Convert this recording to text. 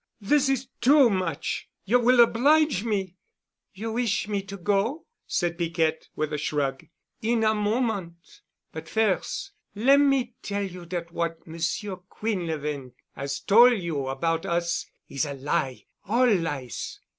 This is too much. You will oblige me——" "You wish me to go?" said Piquette with a shrug. "In a moment. But firs' let me tell you dat what Monsieur Quinlevin 'as tol' you about us is a lie—all lies."